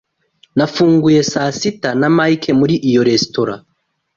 Nafunguye saa sita na Mike muri iyo resitora.